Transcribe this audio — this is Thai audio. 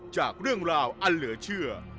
จากเรื่องราวอันเหลือเชื่อ